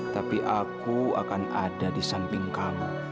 tapi aku akan ada di samping kamu